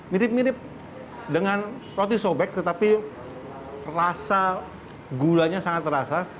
mirip mirip dengan roti sobek tetapi rasa gulanya sangat terasa